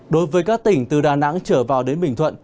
đối với các tỉnh từ đà nẵng trở vào đến bình thuận